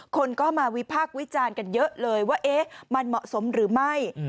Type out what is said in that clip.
คนก็มาวิพากษ์วิจารณ์กันเยอะเลยว่ามันเหมาะสมหรือไม่